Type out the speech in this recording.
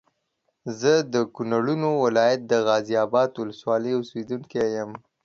زه د کونړونو ولايت د غازي اباد ولسوالۍ اوسېدونکی یم